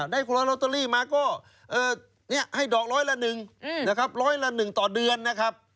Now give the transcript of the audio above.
ได้โควตาร์โรตเตอรี่มาก็ให้ดอกร้อยละหนึ่งนะครับร้อยละหนึ่งต่อเดือนนะครับ